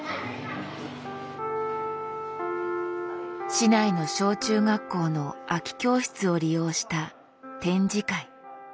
市内の小中学校の空き教室を利用した展示会。